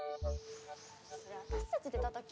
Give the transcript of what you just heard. それ私たちで叩き。